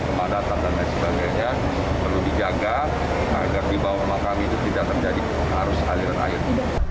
kekembang datang dan lain sebagainya perlu dijaga agar di bawah makam itu tidak terjadi arus aliran air